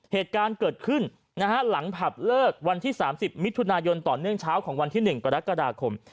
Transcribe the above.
เหตุการณ์เกิดขึ้นหลังผับเลิกวันที่๓๐มิถุนายนต่อเนื่องเช้าของวันที่๑กรกฎาคม